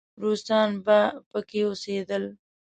روسان به پکې اوسېدل.